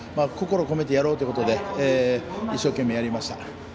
心込めてやろうということで一生懸命やりました。